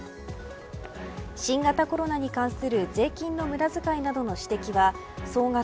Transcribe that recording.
新型コロナに関する税金の無駄遣いなどの指摘は総額